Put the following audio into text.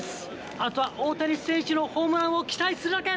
あとは大谷選手のホームランを期待するだけ。